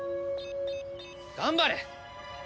頑張れ！